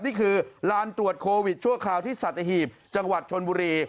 นี่คือลานตรวจโควิดชั่วคราวที่สัตหีบจังหวัดชนบุรี